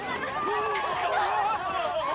ああ！